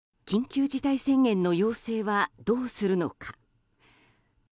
緊急事態宣言の要請はどうするのか。